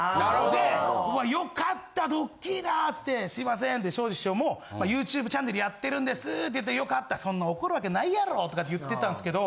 でうわっよかったドッキリだつってすいませんでショージ師匠もＹｏｕＴｕｂｅチャンネルやってるんですでよかったそんな怒るわけないやろとかって言ってたんすけど。